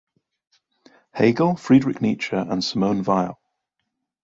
Hegel, Friedrich Nietzsche and Simone Weil.